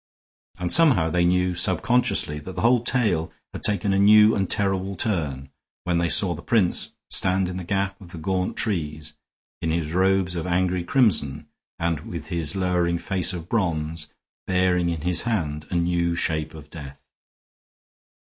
And somehow they knew subconsciously that the whole tale had taken a new and terrible turn, when they saw the prince stand in the gap of the gaunt trees, in his robes of angry crimson and with his lowering face of bronze, bearing in his hand a new shape of death.